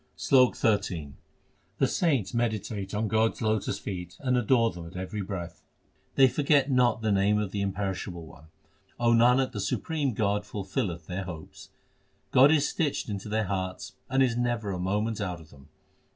SLOK XIII The saints meditate on God s lotus feet and adore them at every breath. They forget not the name of the Imperishable One ; O Nanak, the supreme God fulfilleth their hopes. God is stitched into their hearts and is never a moment out of them.